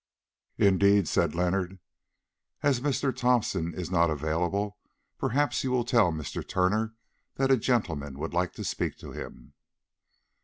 "Indeed!" said Leonard. "As Mr. Thomson is not available, perhaps you will tell Mr. Turner that a gentleman would like to speak to him."